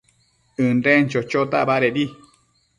ënden chochota badedi